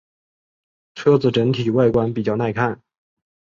车子整体外观比较耐看。